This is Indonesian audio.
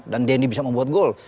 dan dendy bisa membuat gol